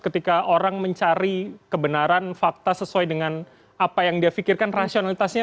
ketika orang mencari kebenaran fakta sesuai dengan apa yang dia pikirkan rasionalitasnya